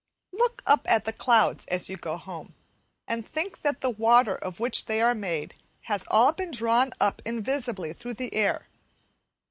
Look up at the clouds as you go home, and think that the water of which they are made has all been drawn up invisibly through the air.